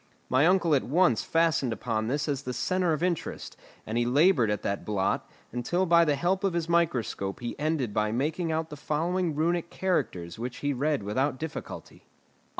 My uncle at once fastened upon this as the centre of interest, and he laboured at that blot, until by the help of his microscope he ended by making out the following Runic characters which he read without difficulty.